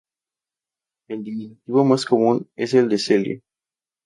El diminutivo más común es el de Celia.